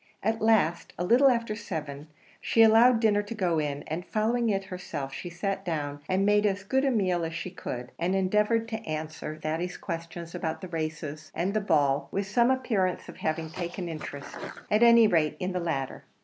At last, a little after seven, she allowed dinner to go in, and following it herself, she sat down and made as good a meal as she could, and endeavoured to answer Thady's questions about the races and the ball with some appearance of having taken interest, at any rate in the latter.